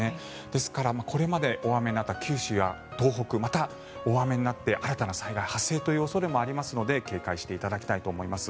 ですからこれまで大雨になった九州や東北また大雨になって新たな災害発生という恐れもありますので警戒していただきたいと思います。